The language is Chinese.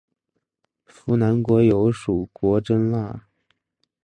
扶南国有属国真腊。